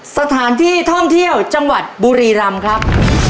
สถานที่ท่องเที่ยวจังหวัดบุรีรำครับ